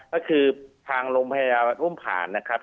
ก็คือทางโรงพยาบาลอุ้มผ่านนะครับ